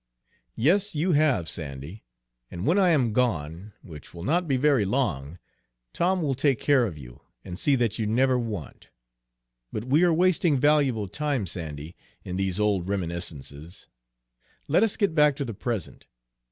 "Yes, you have, Sandy, and when I am gone, which will not be very long, Tom will take care of you, and see that you never want. But we are wasting valuable time, Sandy, in these old reminiscences. Let us get back to the present.